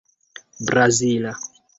brazila